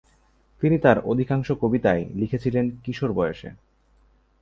তিনি তার অধিকাংশ কবিতাই লিখেছিলেন কিশোর বয়সে।